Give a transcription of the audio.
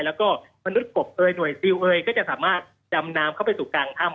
แล้วก็มนุษย์กบเอ่ยหน่วยซิลเอยก็จะสามารถดำน้ำเข้าไปสู่กลางถ้ำ